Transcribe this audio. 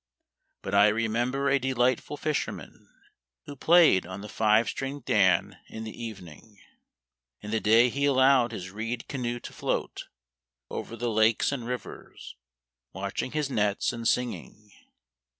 But I remember a delightful fisherman Who played on the five stringed dan in the evening. In the day he allowed his reed canoe to float Over the lakes and rivers, Watching his nets and singing.